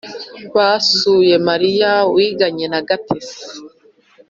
basuye mariya wiganye na gatesi.